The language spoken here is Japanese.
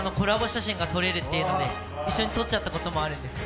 写真が撮れるっていうので一緒に撮っちゃったこともあるんです。